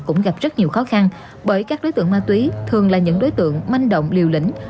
cũng gặp rất nhiều khó khăn bởi các đối tượng ma túy thường là những đối tượng manh động liều lĩnh